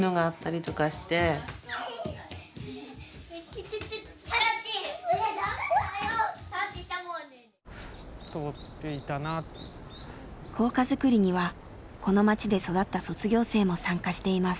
校歌づくりにはこの町で育った卒業生も参加しています。